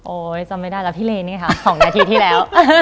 จำไม่ได้แล้วพี่เลนี่ค่ะ๒นาทีที่แล้ว